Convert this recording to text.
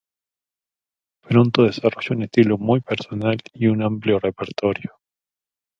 Pronto desarrolló un estilo muy personal y un amplio repertorio.